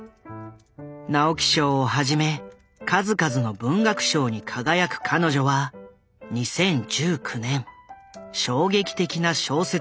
直木賞をはじめ数々の文学賞に輝く彼女は２０１９年衝撃的な小説を刊行した。